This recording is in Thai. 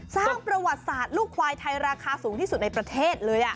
สร้างประวัติศาสตร์ลูกควายไทยราคาสูงที่สุดในประเทศเลย